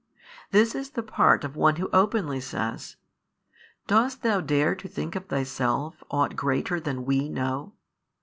This is the part of one who openly says, Dost Thou dare to think of Thyself ought greater than WE know?